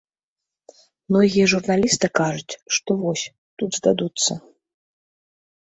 Многія журналісты кажуць, што вось, тут здадуцца.